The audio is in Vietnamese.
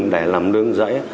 để làm nương rẫy